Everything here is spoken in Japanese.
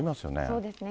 そうですね。